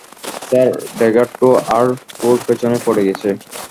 Sir, dagger two আর four পেছনে পড়ে গেছে।